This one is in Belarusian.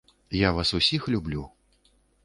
Я вас усіх люблю!